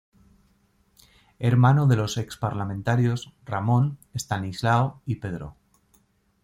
Hermano de los ex parlamentarios: Ramón, Estanislao y Pedro.